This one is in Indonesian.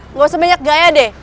nggak usah banyak gaya deh